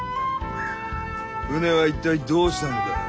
船は一体どうしたんだ？